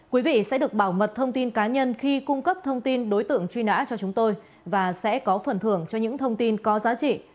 quý vị sẽ được bảo mật thông tin cá nhân khi cung cấp thông tin đối tượng truy nã cho chúng tôi và sẽ có phần thưởng cho những thông tin có giá trị